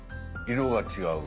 色が違う。